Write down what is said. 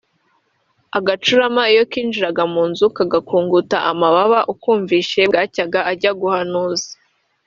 Agacurama iyo kinjiraga munzu kagakunguta amababa ukumvise bwaracyaga akajya guhanuza